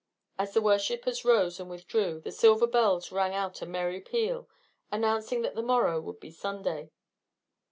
As the worshippers rose and withdrew, the silver bells rang out a merry peal, announcing that the morrow would be Sunday.